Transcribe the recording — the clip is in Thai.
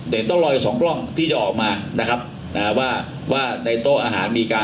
แต่ต้องรออีกสองกล้องที่จะออกมานะครับนะฮะว่าว่าในโต๊ะอาหารมีการ